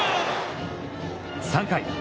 ３回。